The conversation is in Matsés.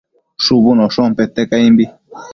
shubunoshon pete caimbi